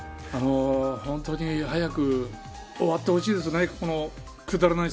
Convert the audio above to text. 本当に早く終わってほしいですね。